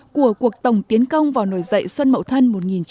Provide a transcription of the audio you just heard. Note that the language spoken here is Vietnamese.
của cuộc tổng tiến công vào nổi dậy xuân mậu thân một nghìn chín trăm sáu mươi tám